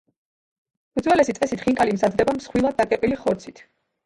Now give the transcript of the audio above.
უძველესი წესით ხინკალი მზადდება მსხვილად დაკეპილი ხორცით.